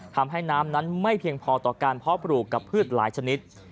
ทำให้น้ำนั้นไม่เพียงพอต่อการเพาะปลูกกับพืชหลายชนิด